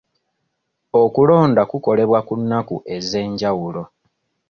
Okulonda kukolebwa ku nnaku ez'enjawulo.